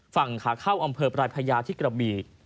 ฝั่งขาเข้าอำเภอปลายพญาที่กระบี่